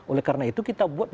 oleh karena itu kita buat